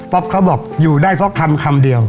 เขาบอกอยู่ได้เพราะคำคำเดียว